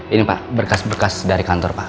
ini pak berkas berkas dari kantor pak